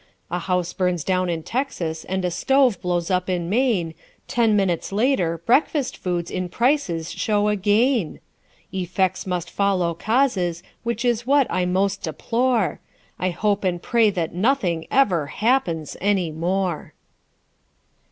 A house burns down in Texas and a stove blows up in Maine, Ten minutes later breakfast foods in prices show a gain. Effects must follow causes which is what I most deplore; I hope and pray that nothing ever happens any more.